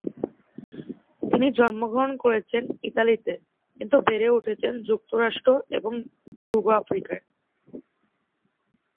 তিনি জন্মগ্রহণ করেছেন ইতালিতে, কিন্তু বেড়ে উঠেছেন যুক্তরাষ্ট্র এবং পূর্ব আফ্রিকায়।